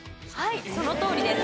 はいそのとおりです。